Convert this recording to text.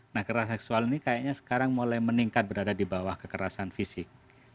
nah kekerasan seksual ini kayaknya sekarang mulai meningkat berada di bawah kekerasan fisik